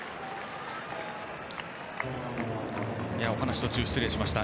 お話の途中で失礼しました。